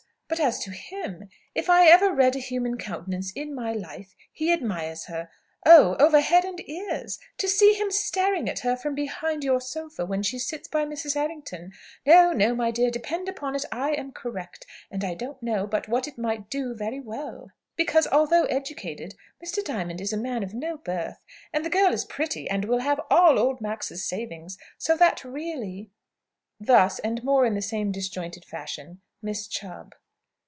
But as to him ! If I ever read a human countenance in my life, he admires her oh, over head and ears! To see him staring at her from behind your sofa when she sits by Mrs. Errington ! No, no, my dear; depend upon it, I am correct. And I don't know but what it might do very well, because, although educated, Mr. Diamond is a man of no birth. And the girl is pretty, and will have all old Max's savings. So that really " Thus, and much more in the same disjointed fashion, Miss Chubb.